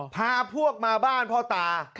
พาพวกมาบ้านพ่อตา